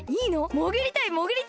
もぐりたいもぐりたい！